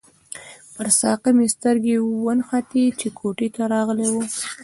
پر ساقي مې سترګې ونښتې چې کوټې ته راغلی وو.